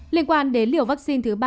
liên quan đến liều vaccine thứ ba